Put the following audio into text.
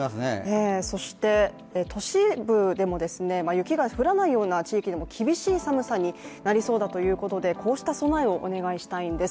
そして、都市部でも雪が降らないような地域でも厳しい寒さになりそうだということでこうした備えをお願いしたいんです。